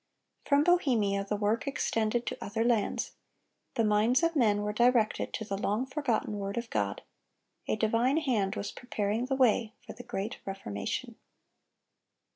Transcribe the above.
From Bohemia the work extended to other lands. The minds of men were directed to the long forgotten word of God. A divine hand was preparing the way for the Great Reformation.